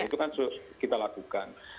itu kan kita lakukan